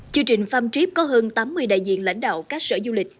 chương trình farm trip có hơn tám mươi đại diện lãnh đạo các sở du lịch